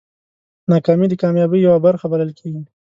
ناکامي د کامیابۍ یوه برخه بلل کېږي.